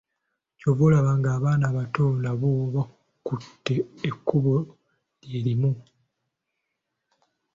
Ky'ova olaba nga n'abaana abato nabo bakutte ekkubo lye limu.